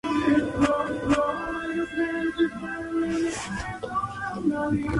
Un año más tarde, pasó a San Martín de San Juan.